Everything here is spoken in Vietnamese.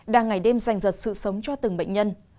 đang ngày đêm dành dật sự sống cho từng bệnh nhân